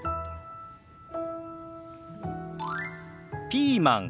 「ピーマン」。